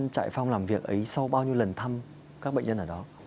trại phong làm việc ấy sau bao nhiêu lần thăm các bệnh nhân ở đó